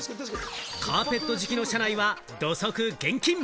カーペット敷きの車内は土足厳禁。